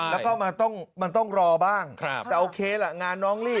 แล้วก็มันต้องรอบ้างแต่โอเคล่ะงานน้องลี่